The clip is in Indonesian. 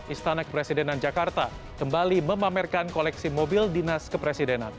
istana kepresidenan jakarta kembali memamerkan koleksi mobil dinas kepresidenan